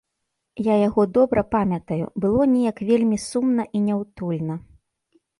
Я яго добра памятаю, было неяк вельмі сумна і няўтульна.